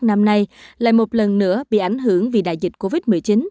năm nay lại một lần nữa bị ảnh hưởng vì đại dịch covid một mươi chín